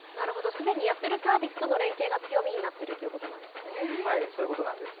すでにやってるサービスとの連携が強みになっているということなそういうことなんです。